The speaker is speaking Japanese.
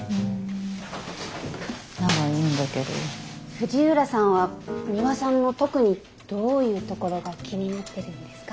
藤浦さんはミワさんの特にどういうところが気になってるんですか？